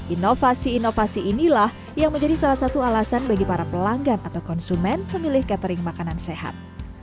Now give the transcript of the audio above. inovasi inovasi inilah yang menjadi salah satu alasan bagi para pelanggan atau konsumen memilih catering makanan sehat